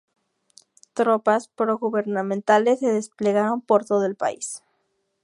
Tropas pro-gubernamentales se desplegaron por todo el país.